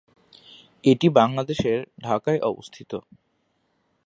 এটি বাংলাদেশের ঢাকায় অবস্থিত।